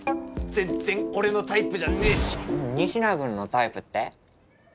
全然俺のタイプじゃねえし仁科君のタイプって？